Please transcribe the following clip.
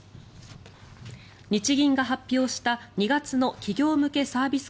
日銀が発表した２月の企業向けサービス